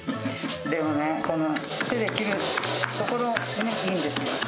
でもね、この手で切るっていうところもいいんですよ。